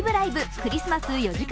クリスマス４時間